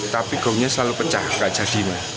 tapi golnya selalu pecah tidak jadinya